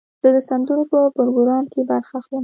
زه د سندرو په پروګرام کې برخه اخلم.